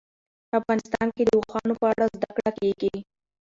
افغانستان کې د اوښانو په اړه زده کړه کېږي.